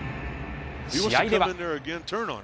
試合では。